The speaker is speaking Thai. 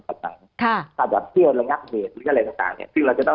ถูกไหมครับเขาเรียนผันแล้ว